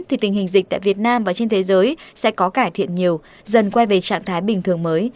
thì tình hình dịch tại việt nam và trên thế giới sẽ có cải thiện nhiều dần quay về trạng thái bình thường mới